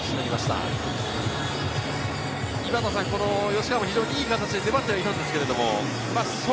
吉川も非常にいい形で粘っていたんですけれど。